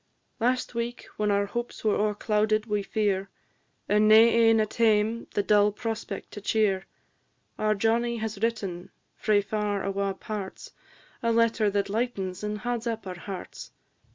Last week, when our hopes were o'erclouded wi' fear, And nae ane at hame the dull prospect to cheer; Our Johnnie has written, frae far awa' parts, A letter that lightens and hauds up our hearts.